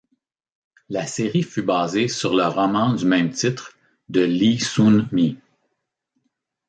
La série fut basée sur le roman du même titre de Lee Sun-mi.